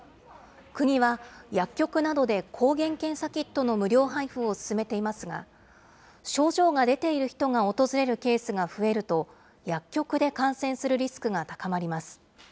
国は、薬局などで抗原検査キットの無料配布を進めていますが、症状が出ている人が訪れるケースが増えると、薬局で感染するリスクが高まります。